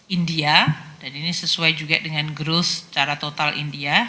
india dan ini sesuai juga dengan growth secara total india